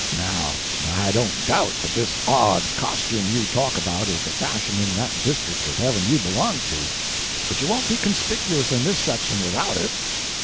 Now I don't doubt that this odd costume you talk about is the fashion in that district of heaven you belong to, but you won't be conspicuous in this section without it."